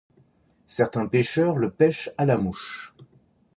Certains pêcheurs le pêchent à la mouche.